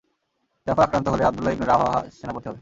জাফর আক্রান্ত হলে Abdullah ibn Rawaha সেনাপতি হবে।